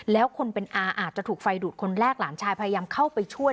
แล้วคนเป็นอาอาจจะถูกไฟดูดคนแรกหลานชายพยายามเข้าไปช่วย